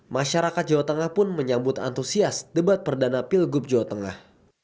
masyarakat jawa tengah pun menyambut antusias debat perdana pilgub jawa tengah